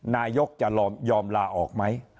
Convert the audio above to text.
นายกจะยอมลาออกไหม